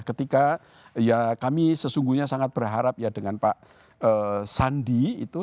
ketika ya kami sesungguhnya sangat berharap ya dengan pak sandi itu